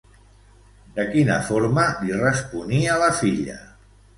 De quina forma li responia la filla?